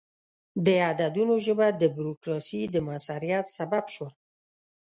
د عددونو ژبه د بروکراسي د موثریت سبب شوه.